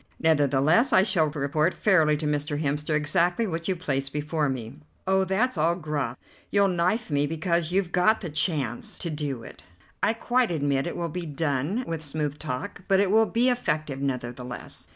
Nevertheless I shall report fairly to Mr. Hemster exactly what you place before me." "Oh, that's all guff. You'll knife me because you've got the chance to do it. I quite admit it will be done with smooth talk, but it will be effective nevertheless."